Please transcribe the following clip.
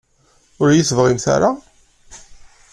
Ur d-iyi-tebɣimt ara?